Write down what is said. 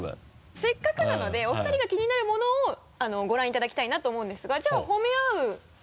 せっかくなのでお二人が気になるものをご覧いただきたいなと思うんですがじゃあ褒め合う。